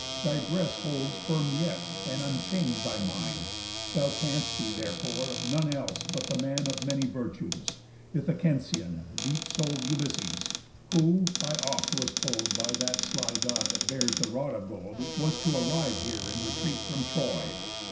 Thy breast holds firm yet, and unchang'd thy mind. Thou canst be therefore none else but the man Of many virtues, Ithacensian, Deep soul'd, Ulysses, who; I oft was told, By that sly God that bears the rod of gold, Was to arrive here in retreat from Troy.